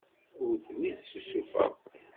Ur tent-id-ssusufeɣ.